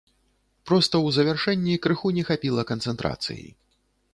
Проста ў завяршэнні крыху не хапіла канцэнтрацыі.